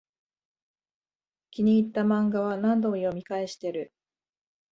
気に入ったマンガは何度も読み返してる